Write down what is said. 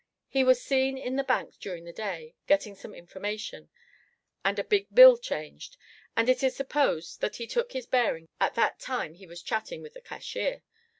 He was seen in the bank during the day, getting some information, and a big bill changed, and it is supposed that he took his bearings at that time he was chatting with the cashier.